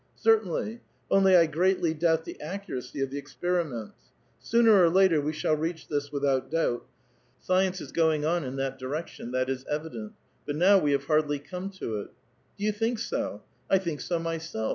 " Certainl}'. Only I greatly doubt the accuracy of the expariments. Sooner or later we shall reach this without doubt ; science is going on in that direction, that is evident. But now we have hardlv come to it." '' Do vou tliink so? I think so mvself.